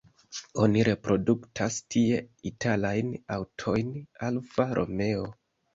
Oni produktas tie italajn aŭtojn Alfa Romeo.